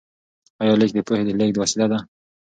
آیا لیک د پوهې د لیږد وسیله ده؟